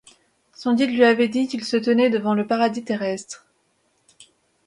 Son guide lui a dit qu’ils se tenaient devant le Paradis Terrestre.